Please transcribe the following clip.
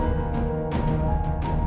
kok terlalu kelembar